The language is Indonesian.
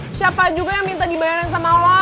eh siapa juga yang minta dibayarin sama lo